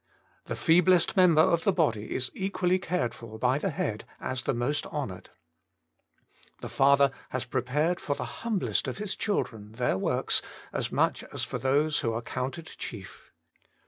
The feeblest member of the body is equally cared for by the Head as the most hon oured. The Father has prepared for the humblest of His children tlieir works as much as for those who are counted chief.